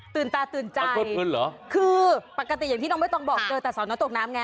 ตาตื่นใจเหรอคือปกติอย่างที่น้องไม่ต้องบอกเจอแต่สอนอตกน้ำไง